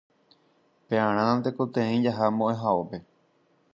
Pevarã natekotevẽi jaha mbo'ehaópe